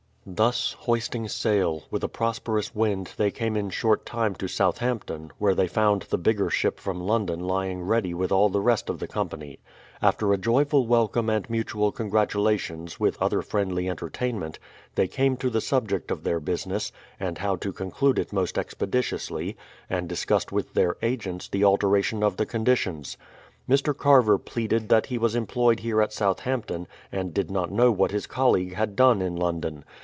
Thus, hoisting sail, with a prosperous wind they came in short time to Southampton, where they found the bigger ship from London lying ready with all the rest of the com pany. After a joyful welcome and mutual congratulations with other friendly entertainment, they came to the subject of their business, and how to conclude it most expeditiously, and discussed with their agents the alteration of the con ditions. Air. Carver pleaded that he was employed here at Southampton, and did not know what his colleague had done in London.